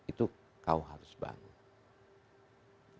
itu kau harus bangun